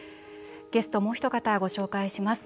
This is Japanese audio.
ゲスト、もうひと方ご紹介します。